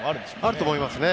あると思います。